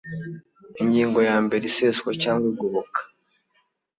ingingo ya mbere iseswa cyangwa igoboka